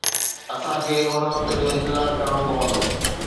اسان کي ان وقت جو انتظار ڪرڻو پوندو.